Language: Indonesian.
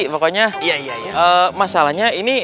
pokoknya masalahnya ini